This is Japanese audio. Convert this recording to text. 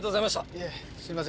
いえすいません。